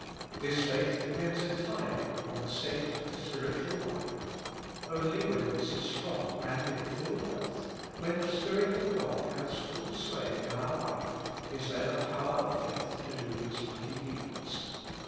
This faith depends entirely upon the state of the spiritual life ; only when this is strong and in full health, when the Spirit of God has full sway in our life, is there the power of faith to do its mighty deeds.